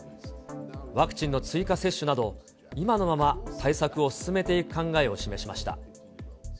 ワクチンの追加接種など、今のまま対策を進めていく考えを示しました。